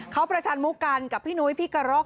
เขาประชันมุกกันกับพี่นุ้ยพี่กระรอก